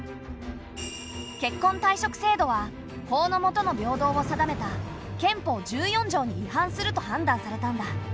結婚退職制度は法のもとの平等を定めた憲法１４条に違反すると判断されたんだ。